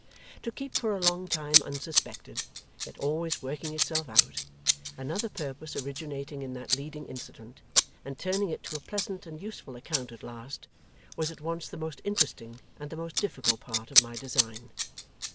To keep for a long time unsuspected, yet always working itself out, another purpose originating in that leading incident, and turning it to a pleasant and useful account at last, was at once the most interesting and the most difficult part of my design.